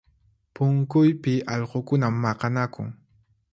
Punkuypi allqukuna maqanakun